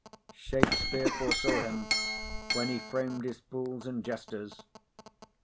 Shakspeare foresaw him, when he framed his fools and jesters.